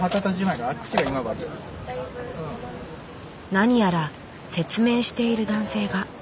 何やら説明している男性が。